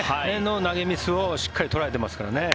投げミスをしっかり捉えてますからね。